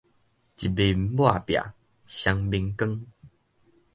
一面抹壁雙面光